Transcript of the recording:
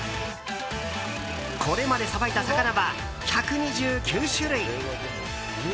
これまでさばいた魚は１２９種類。